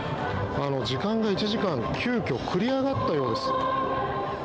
時間が１時間急きょ繰り上がったようです。